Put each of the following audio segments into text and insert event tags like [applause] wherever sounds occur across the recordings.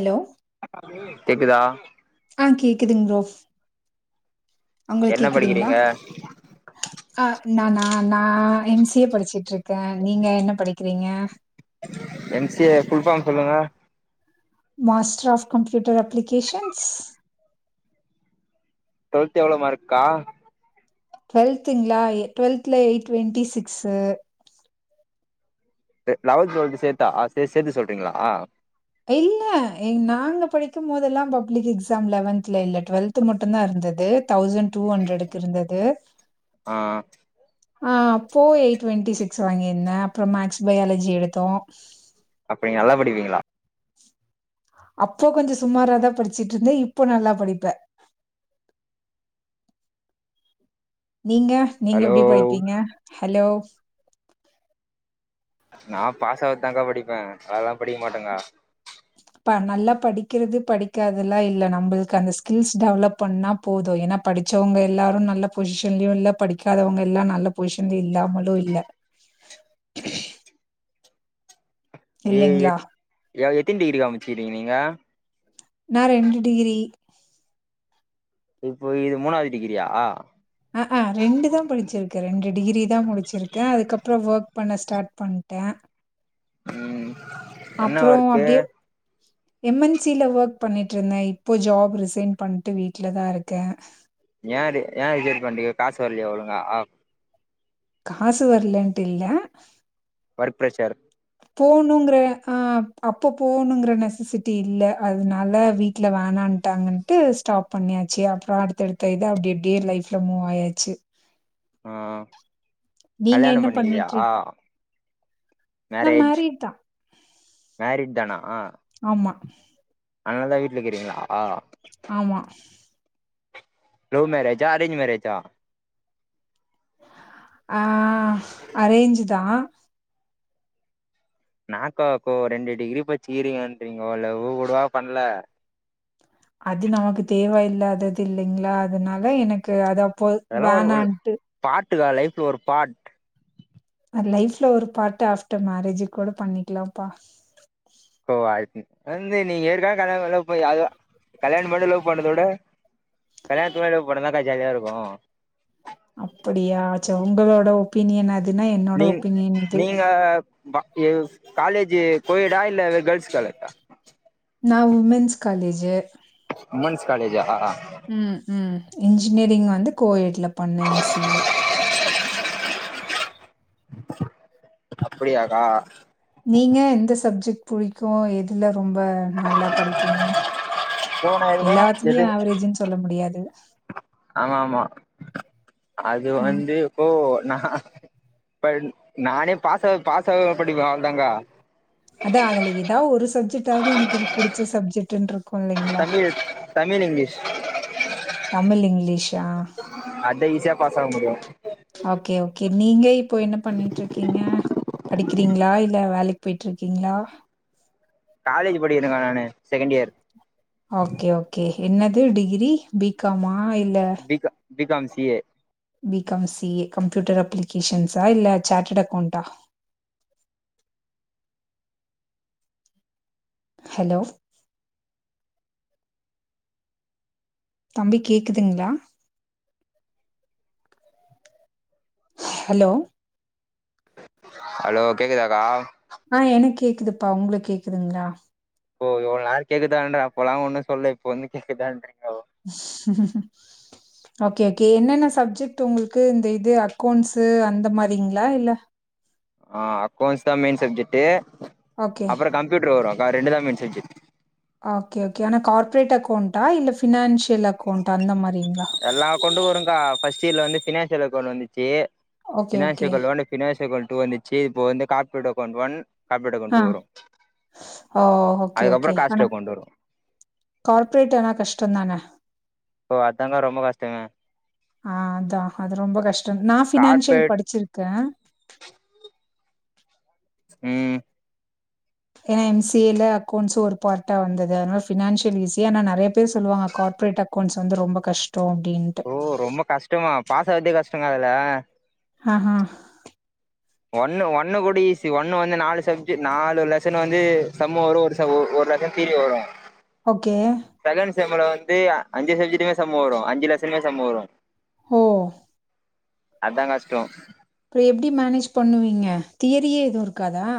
Hello கேக்குதா ஆ கேக்குதுங் ப்ரோ உங்களுக் என்ன கேக்குதுங்ளா படிக்கிறீங்க அ நானா நா எம் சி ஏ படிச்சுட்ருக்கே நீங்க என்ன படிக்கிறிங்க M C A full form சொல்லுங்க master of computer applications twelfth எவ்ள மார்க்கா ட்வெல்த்துங்ளா எ டுவெல்த்ல எய்ட் டுவெண்டி சிக்ஸு அ லெவல்த் டுவெல்த்து சேத்தா ச சேத்து சொல்றிங்ளா இல்ல எங் நாங்க படிக்கு மோதெல்லா பப்ளிக் எக்ஸாம் லெவன்த்ல இல்ல டுவல்த் மட்டு தா இருந் தது தௌசண்ட் டூ ஹண்ட்ரடுக்கு இருந்தது ஆ ஆஹ் அப்போ எயிட் டுவெண்ட்டி சிக்ஸ் வாங்கியிருந்த அப்றோ மேக்ஸ் பயாலஜி எடுத்தோ அப்ப நீங்க நல்லா படிப்பீங்களா அப்போ கொஞ்சோ சுமாராதா படிச்சுட்டு இருந்த இப்போ நல்லா படிப்ப நீங்க நீங்க ஹலோ எப்புடி படிப்பீங்க ஹலோ நா பாஸ் ஆவற தா க்கா படிப்ப நல்லால படிக்க மாட்டக்கா [inaudible] நல்லா படிக்கிறது படிக்காதெல்லா இல்ல நம்மளுக்கு அந்த ஸ்கில்ஸ் டெவலப் பண்ணா போது ஏன்னா படி படிச்சவங்க எல்லாரு நல்ல பொசிஷன்லயு இல்ல படிக்காதவங்க எல்லா நல்ல பொசிஷன்லயு இல்லாமலு இல்ல [inaudible] ஏ இல்லைங்களா? எத் எத்தினி டிகிரிகா முச்சிக்குறீங்க நீங்க நா ரெண்டு டிகிரி இப்போ இது மூணாவது டிகிரியா அ, ஆ தான் படிச்சிருக்கேன். டிகிரி தான் முடிச்சிருக்கேன். அதுக்கப்புறம் வொர்க் பண்ண ஸ்டார்ட் பண்ட உம் அப்றோ அப்டியே எம் என் சி ல ஒர்க் பண்ணிட்டு இருந்த இப்போ ஜாப் ரிசைன் பண்ணிட்டு வீட்ல தா இருக்க ஏ ரி ஏ ரிஜட் பண்ணிட்டிங்க காசு வரலையா ஒழுங்கா காசு வரலன்ட்டு இல்ல ஒர்க் பிரஷர் போணுங்கற ஆஹ் அப்போ போகணுங்கிற நெசசிட்டி இல்ல அதனால வீட்ல வேணா ட்டாங்கன்டு ஸ்டாப் பண்ணியாச்சு அப்றோ அடுத்தடுத்த இது அப்டேஅப்டே லைஃப்ல மூவ் ஆயாச்சு உம் நீங்க கல்யாணோ என்ன பண்ணிக்கலையா நா மேரேஜ் மேரிட்தா மேரிட் தானா ஆமா அன்னாலதா வீட்ல இருக்கிறீங்களா ஆமா. லவ் மேரேஜா அரேஞ் மேரேஜா ஆஹ் அரேஞ் தா நாக்காக்கோ ரெண்டு டிகிரி படிச்சுகிறீங்ன்கோ லவ்வு கூடவா பண்ல அது நமக்கு தேவ இல்லாதது இல்லைங்களா அதனால எனக்கு அது அப் போ அதெல்லா ஒரு வேணான்ட்டு [unintelligible] லைஃப்ல ஒரு பாட் லைஃப்ல ஒரு பார்டு ஆஃப்டர் மேரேஜ் கூட பண்ணிக்கலாம்ப்பா வந்து நீங்க ஏற்கா கல்யாண லவ் பண்ண அத கல்யாண பண்ணி லவ் பண்றதவிட கல்யாணத்துக்கு முன்னாடி லவ் பண்ணா தா கா ஜாலியா இருக்கு அப்படியா அச்சோ உங்களோட ஒபீனியன் அதுன்னா என்னோட ஒபீனியன் இது பா காலேஜி கோயேடா இல்ல கேள்ஸ் காலேஜா நா உமென்ஸ் காலேஜு உமென்ஸ் காலேஜா உம் உம் இன்ஜினியரிங் வந்து கோயேட் ல பண்ண எம் சி யே அப்டியாக்கா போய்க்கோ எதுல ரொம்ப நல்லா படிப்பீங்க சோ நா எதுமே எல்லாத்துலயு எது ஆவரேஜ்ன்னு சொல்ல முடியாது ஆமா ஆமா அது ம். வந்து இப்போ நா இப்ப நானே பாஸ பாஸாவ படிப்ப அவ்ளதான்கா அதா அதுல எதா ஒரு சப்ஜெக்டாவது எனக்கு இது புடிச்ச சப்ஜெட்டுனுரு தமிழ் தமிழ் இங்கிலிஷ் தமிழ் இங்கிலீஷா ப்பா சாங்க முடிய ஓகே ஓகே நீங்க இப்போ என்ன பண்ணிட்டு இருக்கீங்க படிக்கிறீங்களா இல்ல வேலைக்கு போயிட்டு இருக்கீங்களா காலேஜ் படிக்கிறங்க நானு செகண்ட் இயர் ஓகே ஓகே என்னது டிகிரி பிகாமா இல்ல BCom C A BCom CA computer அப்ளிகேஷன்ஸா இல்ல சாட்டட் அக்கௌண்ட்டா [inaudible] ஹலோ தம்பி கேக்குதுங்ளா ஹலோ ஹலோ கேக்குதாக்கா ஆ எனக்கு கேக்குதுப்பா உங்களுக்கு கேக்குதுங்களா ஓ இவ்ளோ நேர கேக்குாதான்றப்பல்லா ஒன்னு சொல்ல இப்ப வந்து கேக்குதான்றீங்க ஓகே கே என்னென்ன சப்ஜெக்ட் உங்களுக்கு இது இது அக்கௌண்ட்ஸு அந்த மாரிங்ளா இல்ல ஆ அக்கௌன்ஸ் தா மெயின் சப்ஜெக்ட் ஓகே அப்புற கம்ப்யூட்டர் வரு ரெண்டு தா மெயின் சப்ஜெட் ஓகே ஓகே ஆனா கார்பரேட் அக்கௌண்டா இல்ல பினான்சியல் அக்கௌண்டா அந்த மாரி எல்லா அக்கௌன்டு வரு கா ஃபஸ்ட் இயர்ல வந்து பினான்சியல் அக்கௌன்ட் வந்துச்சு okay financial okay account one financial account two வந்துச்சு இப்போ வந்து corporate account one corporate account ஆ வரு ஓ அதுக்கப்பற காச்ட அக்கௌன்ட் வரு கார்ப்பரேட் ஆனா கஷ்டந்தான ஓ அதாங்கா ரொம்ப கஷ்டங்க ஆ அதா அது ரொம்ப கஷ்ட நான் ஃபினான்சியல் படிச்சிருக்க எ ம் [inaudible] ஏன்ன எம்சிஏ ல அக்கௌண்ட்ஸ் ஒரு பார்டா வந்தது அதுனால ஃபினான்சியல் ஈஸி ஆனா நெறய பேர் சொல்லுவாங்க கார்பரட் ட் அக்கவுன்ட்ஸ் வந்து ரொம்ப கஷ்ட அப்படின்ட்டு ஓ ரொம்ப கஷ்டமா பாஸ் ஆவுறதே கஷ்டம்ங்கா அதுல ஆஹ ஒண்ணு ஒண்ணு கூட ஈசி ஒண்ணு வந்து நாலு சப்ஜி நாலு ல சன் வந்து சம்மு வரு ஒரு ஒரு லசம் தீரி வரு ஓகே செம்மள வந்து அஞ்சு சஜிட்டுமே சமு வரு அஞ்சு லசமே சமு வரு ஒ அதா கஷ்ட அப்ற எப்படி மேனேஜ் பண்ணுவீங்க தியரியே எதுவு இருக்காதா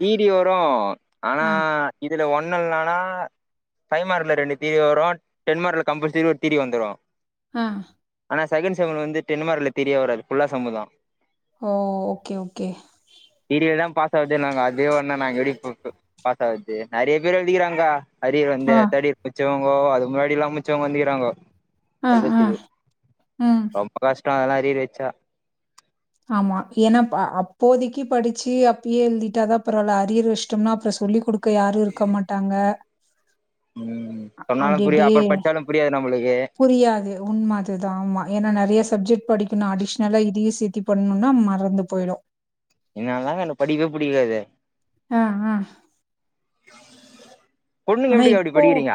தியரி வரு ஆனா ஆ, இதுல ஒண் ணுலனா பை மார்கல ரெண்டு தீரி வரு டென் மார்கல கம்பல் சரி ஒரு தீரி வந்துரு ஆ ஆனா சகன் சமுன் வந்து தென்மார்க்ல ல தெரிய வராது ஃபுல்லா சமு தா ஓ ஓகே ஓகே தா பாஸ் ஆகுதுங்க அதே ஒடே நாங்க எப்படி இ பாஸ் ஆகுது நெறைய பேர் எழுதுக்கிறாங்க கா அரியர் வந்து ஆ, தேடியர் முடிச்சவங்கோ அது முன்னாடி எல்லாம் முடிச்சவங்க வந்துக்கிறாங்கோ ஆ ஆ அ டொ அதெல்லா அரியர் வச்சா ஆமா ஏனா அப்போதைக்கு படிச்சி அப்பயே எழுதிட்டாதா பரவால்ல அரியர் வஷ்டோம்னா அப்றோ சொல்லி குடுக் கு யாரு இருக்க மாட்டாங்க ம் சொன்னாலு அப்படி புரியாது அப்படியே அப்ற படிச்சாலு புரியாது நம்மளுக்கு புரியாது உண்ம அதுதா ஆமா ஏனா நெறைய சப்ஜெக்ட் படிக்கணு அடிஷ்னலா இ தீயு சேத்தி பண்ணூனா மறந்து போயிடு இனால தாங்க்கா என்க்கு படிக்கவே புடிக்காது ஆ ஆ பொண்ணுங்க ஆனா எப்டி கா இப்டி படிக்கிறீங்க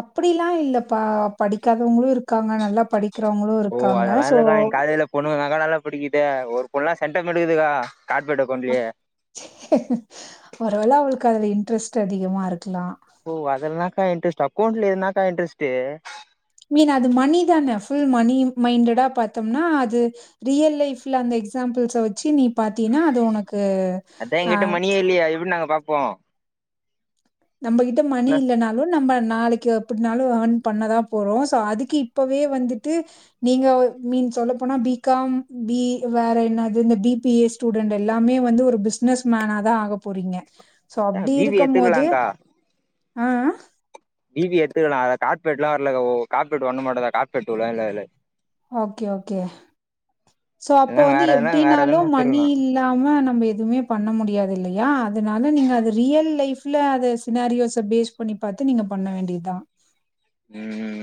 அப்படிலா இல்லப்பா படிக்காதவங்களு இருக்காங்க நல்லா படிக் ஓ அதெல்லா இல்லக்கா எங் காலேஜுல பொண்ணுங்க தா கா நல்லா படிக்குதே ஒரு பொண்ணுலா சென்டெம் எடுக்குதுகா ஒருவேள அவளுக்கு அதுல இன்ட்ரெஸ்ட் அதிகமாருக் ஓ அதெல்னாகா இன்ட்ரெஸ்ட்டு அக்கௌண்ட்ல என்னக்கா இன்ட்ரெஸ்டு மீன் அது மணி தான ஃபுல் மணி மைண்டடா பாத்தம்னா அது ரியல் லைஃப்ல அந்த இஸாம்பிள்ஸ் வச்சி நீ பாத்தியேனா அது உனக்கு அ போ நம்பகிட்ட மணி இல்லனாலு நம்ப நாளைக்கு எப்ட்னாலு இயன் பண்ணதா போறோ சோ அதுக்கு இப்பவே வந்துட்டு நீங்க மீ சொல்ல போனா பி காம் பி வேற என்னது இந்த பி பி ஏ ஸ்டூடெண்ட் எல்லாமே வந்து ஒரு பிஸ்னஸ் மேனா தா ஆக போறீங்க சோ அப்டி பி பி ஏ இருக்குமோது எத்துக்கலாக்கா ஆ ஆ பி பி ஏ எட்த்துக்கலா அதுல கார்பேட்லா வரல ஓ கார்பேட் ஒன்னு மட்டுதா கார்பேட் டு ல இல்ல அதுல ஓகே ஓகே சோ அப்போ இல்லனா வந்து வேற எதுனா வேற எப்டீனாலு எதுனா மணி எத்துக்கலா இல்லாம நம்ம எதூமே பண்ண முடியாது இல்லையா அதனால நீங்க அது ரியல் லைஃப்ல அத சினாரியோஸ பேஸ் பண்ணி பாத்து நீங்கப் பண்ண வேண்டிதா ம்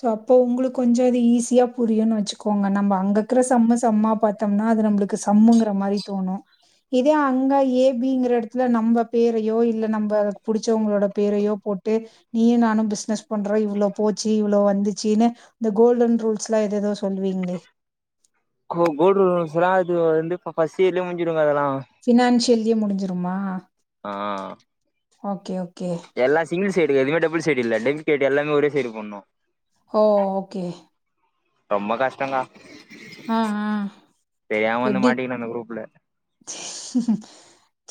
சோ அப்ப உங்களுக்கு கொஞ்சோ அது ஈஸியா புரியூனு வச்சுக்கோங்க நம்ம அங்கக்குற சம்ம சம்மா பாத்தோம்னா அது நம்மளுக்கு சம்முங்குற மாரி தோணு இதே அங்க ஏ பி ங்கிற எடத்துல நம்ம பேரையோ இல்ல நம்ப புடிச்சவங்ளோட பேரையோ போட் டு நீயு நானு பிஸ்னஸ் பண்றோ இவ்ளோ போச் சி இவ்ளோ வந்துச்சினு இந்த கோல்டன் ரூல்ஸ்லா எதெதோ கோ கோல்டன் ரூல்ஸ்லா அது வந்து ஃபஸ்ட் இயர்லே முடிஞ்சிரு ப எலா யர்லியே முடிஞ்சிருமா ஆ ஓகே ஓக் எல்லா சிங்கிள் சைடு எதுமே டபுள் சைடு இல்ல டெங்டேடு எல்லாமே ஒரே சைடு பண்ணு ஹோ ஓகே ரொம்ப கஷ்டங் கா ம் ம் தெரியாம வந்து எப்டி மாட்டிக்கின அந்த குரூப்ல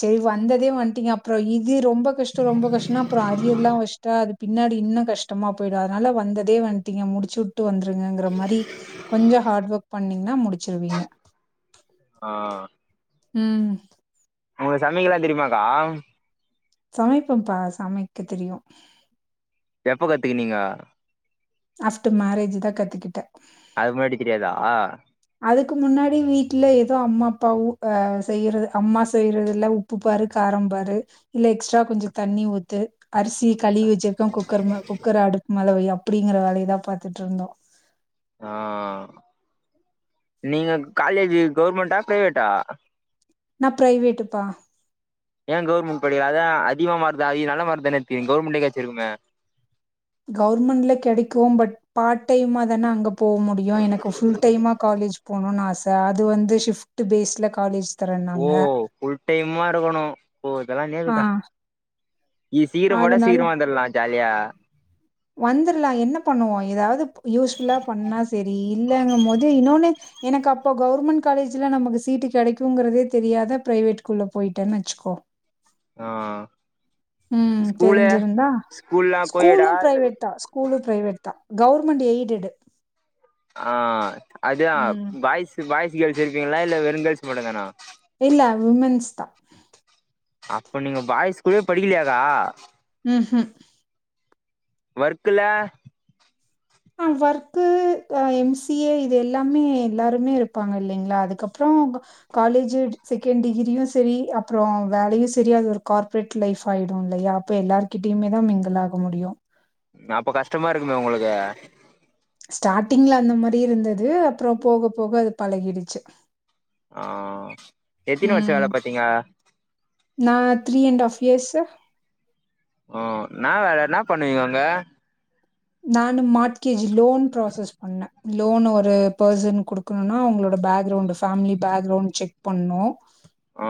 செரி வந்ததே வன்ட்டீங்க அப்றோ இது ரொம்ப கஷ்டோ ரொம்ப கஷ்டோனா அப்றோ அரியர்லா வச்ட்டா அது பின்னாடி இன்னு கஷ்டமா போயிடு அதனால வந்ததே வன்டீங்க முடிச்சுவுட்டு வந்துருங்கங்கிற மாரி கொஞ்சோ ஹார்ட் ஒர்க் பண்ணீங்னா முடிச்சிருவீங்க ஆ ம் உங்கள் சமிக்கெல்லா தெரியுமாக்கா சமைப்பேம்ப்பா சமைக்க தெரியு எப்ப கத்துக்குனீங்க ஆஃப்டர் மேரேஜு தா கத்துக்கிட்ட அதுக் முன்னாடி தெரியாதா அதுக்கு முன்னாடி வீட்ல எதோ அம்மா அப்பாவு செய்றது அம்மா செய்றதுலே உப்பு பாரு கார ம் பாரு இல்ல எஸ்ட்ரா கொஞ்ச தண்ணி ஊத்து அரிசி கழுவி வச்சிருக்கே குக்கர் குக்கர அடுப்பு மேல வை அப்பிடிங்கிற வேலயதா பாத்துட்ருந்தோ ஆ நீங்க காலேஜ் கவர்மெண்ட்டா பிரைவேட்டா நா பிரைவேட்டுப்பா ஏ கவர்மெண்ட் படிக் அதா அதிகமா மார்க்தா நல்ல மார்க்தான எடுத்ருக்கிங் கவர்மெண்ட்லயே கெடச்சிருக்குமே கவுர்மெண்ட்ல கெடைக்கு பட் பார்ட் டைமா தான அங்க போக முடியு எனக்கு ஃபுல் டைமா கா லேஜ் போணுனு ஆச அது வந்து ஷிஃப்ட் பேஸ்ல காலேஜ் ஓ தரேன்னாங்க ஃபுல் டைமா இருக்கணு ஓ இதெல்லா ஆ நேமுக்கா இத் சீக்ரம் போட்டா சீக்ரமா வந்தர்லா ஜாலியா வந்தர்லா என்ன பண்ணுவோ எதாவுது யூஸ்ஃபுல்லா பண்ணா சரி இல்லங்கும் போது இன்னோனு எனக்கு அப்போ கவுர்மெண்ட் காலேஜ்ல நமக்கு சீட்டு கெடைக்குங்கறதே தெரியாத பிரைவேட்டுகுள்ள போய்ட்டன் வச்சுக்கோ ஒ ஆ ம் ஸ்கூலு தெரிஞ்சிருந்தா ஸ்கூல்லா கோயடா ஸ்கூலும் இல்ல பிரைவேட் தா ஸ்கூலு பிரைவேட் தா கவர்மெண்ட் எய்டடு ஆ அதா பாய்ஸ் பாய்ஸ் ல வெச்சிர்க்கிங்ளா இல்ல வெறு கேர்ள்ஸ் மட்டுந் தானா இல்ல விமென்ஸ் தா அப்போ நீங்க பாய்ஸ் கூடயே படிக்கலையாக்கா ம் ஹூ ஒர்க்குல ஆ ஒர்க்கு அ எம் சி ஏ இது எல்லாமே எல்லாருமே இருப்பாங்க இல்லைங்ளா அதுக்கப்றம் உ காலேஜ் செகண்ட் டிகிரியு செரி அப்புற வேலையு செரி அது ஒரு கார்ப்ரேட் லைஃபா ஆயிடு இல்லையா அப்ப எல்லார்கிட்டயுமே தா மிங்கில் ஆக முடியு அப்ப கஷ்டமா இருக்குமே உங்ளுக்கு ஸ்டாட்டிங்ல அந்த மாரி இருந்துது அப்புற போக போக அது பழகிடிச்சு ஆ எத்தினி வருஷ வேல பாத்திங்க நா த்ரீ அண்ட் ஆஃப் இயர்ஸு ஓ என்னா வேல என்னா பண்ணுவிங்க அங்க நானு மாட்கேஜி லோன் ப்ராசஸ் பண்ண லோன் ஒரு பர்சன்க் குடுக்கணுனா அவுங்ளோட பேக்ரவுண்ட் ஃபேமிலி பேக்ரவுண்ட் செக் பண்ணு ஆ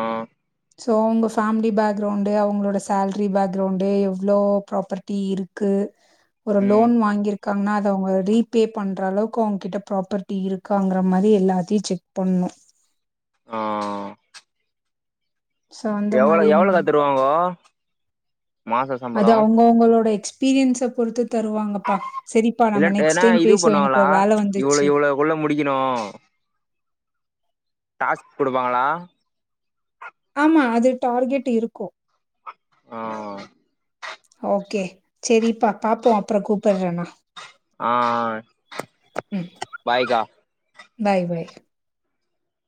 ஸோ உங்க ஃபேமிலி பேக்ரௌண்டு அவங்ளோட சேலரி பேக்ரௌண்டு எவ்ளோ ப்ராப்பர்ட்டி இருக்கு ஒரு ம் லோன் வாங்கிருக் காங்னா அத அவுக ரீபே பண்ற அளவுக்கு அவுங்க கிட்ட ப்ராப்பர்டி இருக்காங்ற மாரி எல்லாத்தையு செக் பண் ணு ஆ ஸோ அந்த எவளோ மாரிங்கம் எவளக்கா தருவாங்கோ மாச அது சம்பளோ அவங்கவங்களோட எக்ஸ்பீரியன்ஸ பொறுத்து தருவாங்கப்பா சரிப்பா இல்ல நம்ம நெக்ஸ்ட் ஏன்னா டைம் இது பேசுவ பண்ணுவாங்களா எனக்கொரு வேல இவ்ளோ வந்துர்ச்சு இவ்ளோக்குள்ள முடிக்கணு டாஸ்க் குடுப்பாங்களா ஆமா அது டார்கெட் இருக்கு ஆ ஓகே சரிப்பி பாப்போ அப்பற கூப்படற நா ஆ ம். பாய்கா பாய் பய்